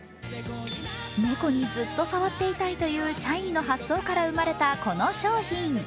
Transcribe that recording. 猫にずっと触っていたいという社員の発想から生まれたこの商品。